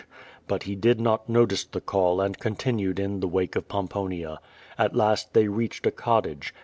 Put he did not notice the call and continued in the wake of Pomponia. At last they reached a cottage.